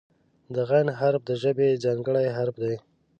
د "غ" حرف د ژبې ځانګړی حرف دی.